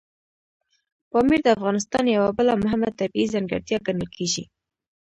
پامیر د افغانستان یوه بله مهمه طبیعي ځانګړتیا ګڼل کېږي.